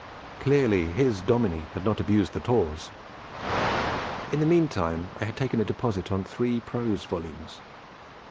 Clearly his Dominie had not abused the taws. In the meantime I had taken a deposit on three prose volumes.